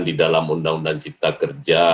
di dalam undang undang cipta kerja